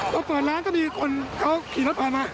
พอเปิดร้านก็มีคนเขาขี่รถผ่านมา